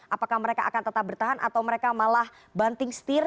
apakah mereka akan tetap bertahan atau mereka malah banting setir